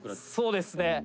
「そうですね」